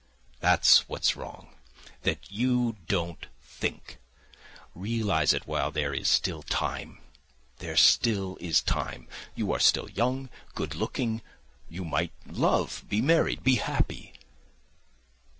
"That's what's wrong, that you don't think. Realise it while there is still time. There still is time. You are still young, good looking; you might love, be married, be happy...."